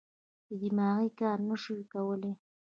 دماغي کار نه شوای کولای.